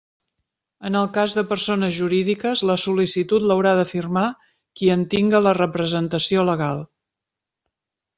En el cas de persones jurídiques, la sol·licitud l'haurà de firmar qui en tinga la representació legal.